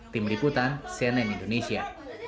tim liputan cnn indonesia